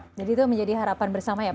jadi itu menjadi harapan bersama ya pak